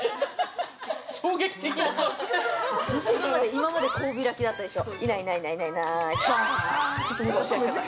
今までこう開きだったでしょ